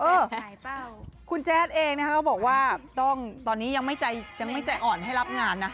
เออคุณแจ๊ดเองบอกว่าตอนนี้ยังไม่ใจอ่อนให้รับงานนะ